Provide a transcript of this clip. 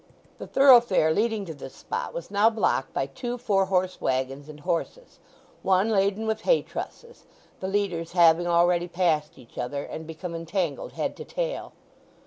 The thoroughfare leading to this spot was now blocked by two four horse waggons and horses, one laden with hay trusses, the leaders having already passed each other, and become entangled head to tail.